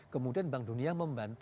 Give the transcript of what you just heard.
kemudian bank dunia membandarannya